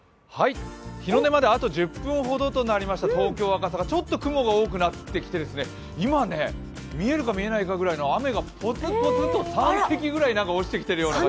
日の出まであと１０分ほどとなりました東京・赤坂、ちょっと雲が多くなってきて今、見えるか見えないかぐらいの雨がぽつっぽつっと３滴ぐらい落ちてきているような。